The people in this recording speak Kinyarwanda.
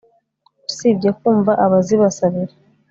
usibye kumva abazibasabira